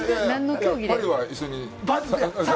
パリは一緒に。